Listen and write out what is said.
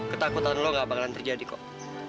ketakutan lo gak bakalan terjadi kok